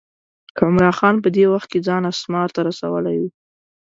عمرا خان په دې وخت کې ځان اسمار ته رسولی و.